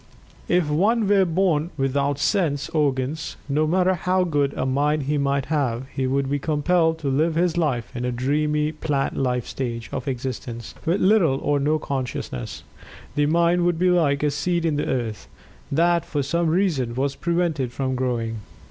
If one were born without sense organs no matter how good a Mind he might have he would be compelled to live his life in a dreamy plant life stage of existence, with little or no consciousness. The Mind would be like a seed in the earth, that for some reason was prevented from growing.